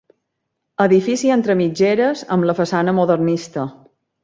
Edifici entre mitgeres amb la façana modernista.